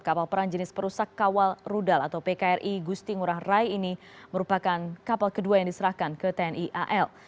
kapal perang jenis perusak kawal rudal atau pkri gusti ngurah rai ini merupakan kapal kedua yang diserahkan ke tni al